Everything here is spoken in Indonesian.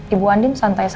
ibu andin santai saja